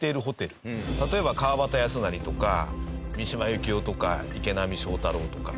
例えば川端康成とか三島由紀夫とか池波正太郎とか。